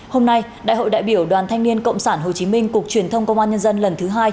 hôm nay đại hội đại biểu đoàn thanh niên cộng sản hồ chí minh cục truyền thông công an nhân dân lần thứ hai